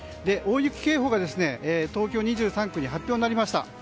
大雪警報が東京２３区に発表になりました。